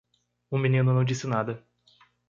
O menino não disse nada.